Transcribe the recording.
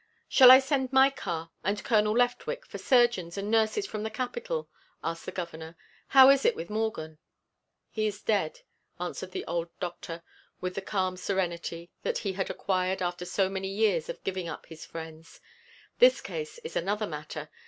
"Shall I send my car and Colonel Leftwick for surgeons and nurses from the Capital?" asked the Governor. "How is it with Morgan?" "He is dead," answered the old doctor with the calm serenity that he had acquired after so many years of giving up his friends. "This case is another matter.